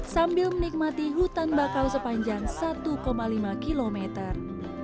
sambil menikmati hutan bakau sepanjang satu lima kilometer